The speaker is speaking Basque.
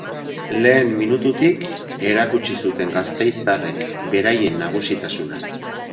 Lehen minututik erakutsi zuten gastezitarrek beraien nagusitasuna.